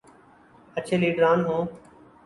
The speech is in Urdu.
اچھے لیڈران ہوں۔